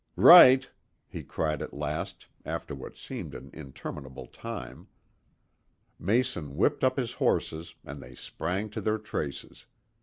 "Right," he cried at last, after what seemed an interminable time. Mason whipped up his horses, and they sprang to their traces.